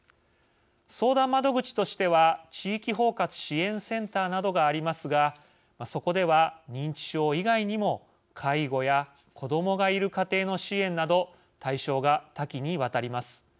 相談窓口としては地域包括支援センターなどがありますがそこでは認知症以外にも介護や子どもがいる家庭の支援など対象が多岐にわたります。